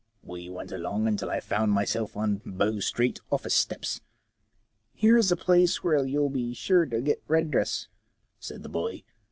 We went along until I found myself on Bow Street office steps. *Here is the place where you'll he sure to get redress/ said the boy.